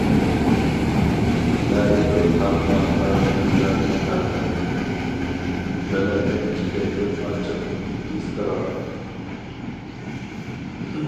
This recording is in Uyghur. نەگىدۇر تارتماقتا بىزلەرنى تەقدىر، بىلەلمەي چېكەتتىم ئاچچىق ئىزتىراپ.